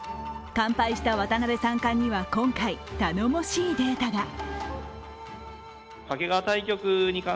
完敗した渡辺三冠には今回、頼もしいデータが。